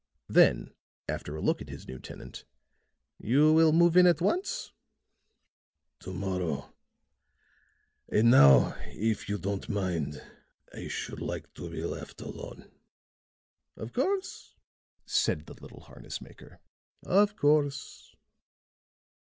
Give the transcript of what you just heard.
Then after a look at his new tenant, "You will move in at once?" "To morrow. And now, if you don't mind, I should like to be left alone." "Of course," said the little harness maker. "Of course."